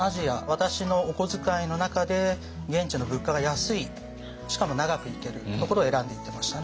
私のお小遣いの中で現地の物価が安いしかも長く行けるところを選んで行ってましたね。